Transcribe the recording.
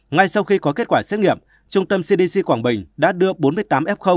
ngay sau khi có kết quả xét nghiệm trung tâm cdc quảng bình đã đưa bốn mươi tám f